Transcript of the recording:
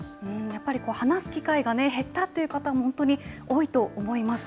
やっぱり、話す機会が減ったという方も本当に多いと思います。